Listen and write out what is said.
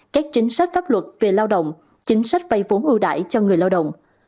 các chính sách pháp luật về lao động chính sách vay vốn ưu đại cho người lao động